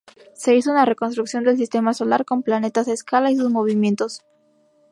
Se hizo una reconstrucción del Sistema Solar con planetas a escala y sus movimientos.